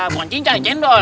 bukan cincah cendol